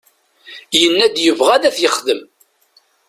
Yenna-d yebɣa ad t-yexdem.